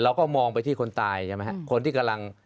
เราก็มองไปที่คนตายใช่ไหมครับคนที่กำลัง